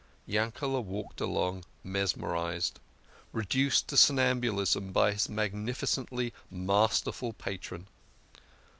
Yankele walked along mesmerised, reduced to som nambulism by his magnificently mas terful patron.